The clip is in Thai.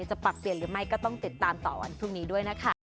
ปรับเปลี่ยนหรือไม่ก็ต้องติดตามต่อวันพรุ่งนี้ด้วยนะคะ